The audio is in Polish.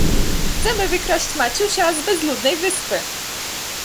"Chcemy wykraść Maciusia z bezludnej wyspy."